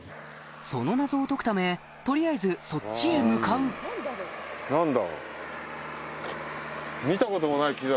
その謎を解くため取りあえずそっちへ向かうあの。